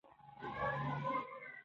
ماشوم د دروازې تر شا ولاړ دی.